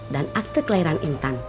dan akte kelahiran intan